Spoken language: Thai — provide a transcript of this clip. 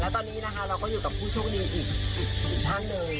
ตอนนี้นะคะเราก็อยู่กับผู้โชคดีอีกท่านเลย